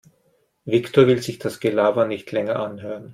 Viktor will sich das Gelaber nicht länger anhören.